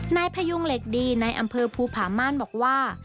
นายพยุงเหล็กดีในอำเภอภูผาม่านบอกว่า